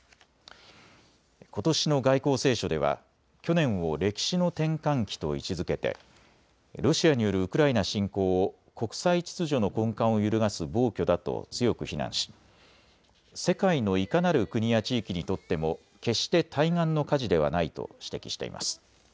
ことしの外交青書では去年を歴史の転換期と位置づけてロシアによるウクライナ侵攻を国際秩序の根幹を揺るがす暴挙だと強く非難し世界のいかなる国や地域にとっても決して対岸の火事ではないと指摘しています。